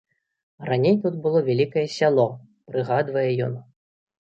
Раней тут было вялікае сяло, прыгадвае ён.